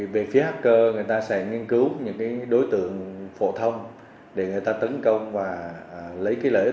về phía hacker người ta sẽ nghiên cứu những đối tượng phổ thông để người ta tấn công và lấy lợi ích